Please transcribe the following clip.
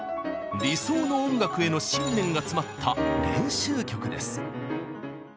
理想の音楽への信念が詰まった練習曲です。